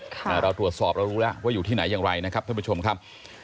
เราตรวจสอบเรารู้แล้วว่าอยู่ที่ไหนอย่างไรนะครับท่านผู้ชมครับ